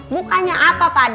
bukannya apa pak d